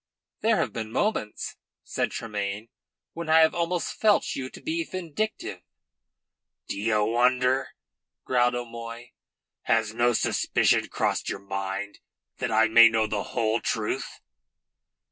"There have been moments," said Tremayne, "when I have almost felt you to be vindictive." "D'ye wonder?" growled O'Moy. "Has no suspicion crossed your mind that I may know the whole truth?"